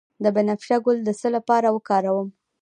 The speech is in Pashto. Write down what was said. د بنفشه ګل د څه لپاره وکاروم؟